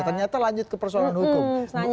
ternyata lanjut ke persoalan hukum